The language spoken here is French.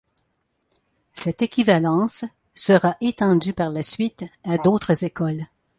Cette équivalence sera étendue par la suite à d'autres écoles.